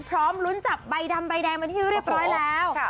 พร้อมลุ้นจับใบดำใบแดงเป็นที่เรียบร้อยแล้ว